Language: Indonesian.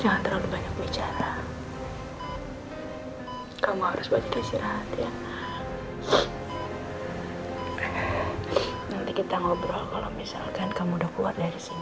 nanti kita ngobrol kalau misalkan kamu udah keluar dari sini